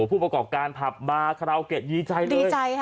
ผู้ป้องกับการผับบาร์คลาโอเกกดีใจเลย